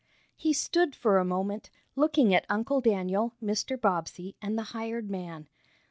He stood for a moment, looking at Uncle Daniel, Mr. Bobbsey and the hired man.